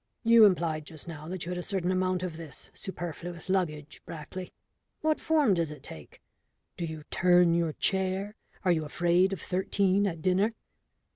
You implied just now that you had a certain amount of this superfluous luggage, Brackley. What form does it take? Do you turn your chair? are you afraid of thirteen at dinner?"